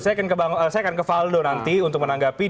saya akan ke valdo nanti untuk menanggapi